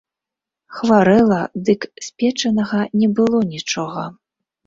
Хварэла, дык спечанага не было нічога.